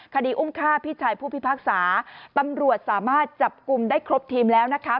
คดีอุ้มฆ่าพี่ชายผู้พิพากษาตำรวจสามารถจับกลุ่มได้ครบทีมแล้วนะคะ